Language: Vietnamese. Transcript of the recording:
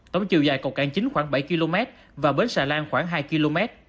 tổng chiều dài cầu cảng chính khoảng bảy km và bến xà lan khoảng hai km